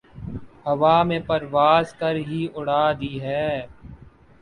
ہوا میں پرواز کر ہی اڑا دی ہیں